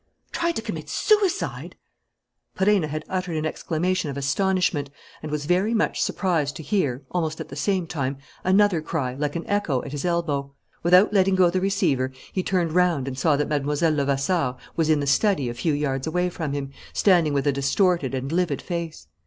Tried to commit suicide!" Perenna had uttered an exclamation of astonishment and was very much surprised to hear, almost at the same time, another cry, like an echo, at his elbow. Without letting go the receiver, he turned round and saw that Mlle. Levasseur was in the study a few yards away from him, standing with a distorted and livid face.